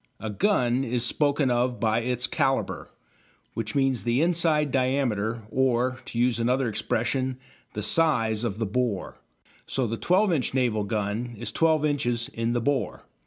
A gun is spoken of by its "calibre," which means the inside diameter, or, to use another expression, the size of the "bore." So the "12 inch" naval gun is 12 inches in the bore.